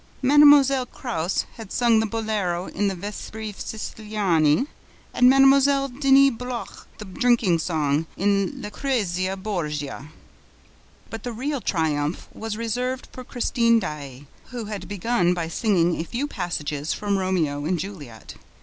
Mlle. Krauss had sung the bolero in the Vespri Siciliani; and Mlle. Denise Bloch the drinking song in Lucrezia Borgia. But the real triumph was reserved for Christine Daae, who had begun by singing a few passages from Romeo and Juliet.